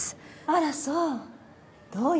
あらそう？